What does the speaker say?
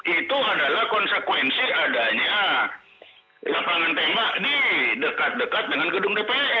itu adalah konsekuensi adanya lapangan tembak di dekat dekat dengan gedung dpr